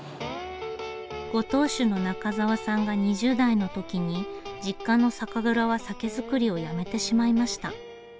ご当主の中沢さんが２０代の時に実家の酒蔵は酒造りをやめてしまいました。